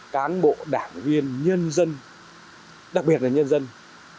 cán bộ đảng viên nhân dân đặc biệt là nhân dân đánh giá tín nhiệm rất là cao